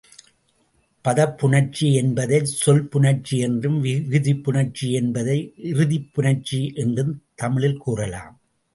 பதப் புணர்ச்சி என்பதைச் சொல் புணர்ச்சி என்றும், விகுதிப் புணர்ச்சி என்பதை இறுதிநிலைப் புணர்ச்சி என்றும் தமிழில் கூறலாம்.